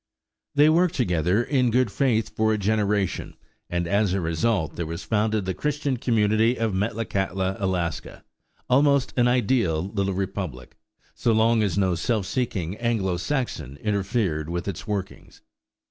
They worked together in good faith for a generation; and as a result there was founded the Christian community of Metlakatla, Alaska, almost an ideal little republic, so long as no self seeking Anglo Saxon interfered with its workings.